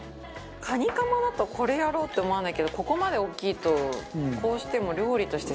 カニカマだとこれやろうって思わないけどここまで大きいとこうしても料理として成立する。